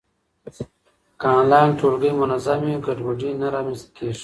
که انلاین ټولګی منظم وي، ګډوډي نه رامنځته کېږي.